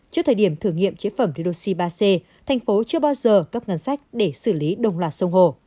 trước thời điểm thử nghiệm chế phẩm redoxi ba c thành phố chưa bao giờ cấp ngân sách để xử lý đồng loạt sông hồ